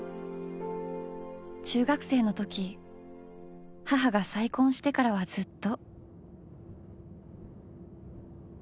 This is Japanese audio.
中学生の時母が再婚してからはずっと。